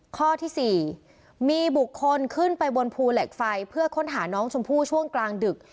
ข้อที่๔มีบุคคลขึ้นไปบนภูเหล็กไฟเพื่อค้นหาน้องชมพู่ช่วงกลางดึก